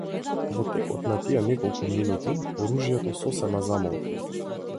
Во текот на тие неколку минути, оружјето сосема замолкна.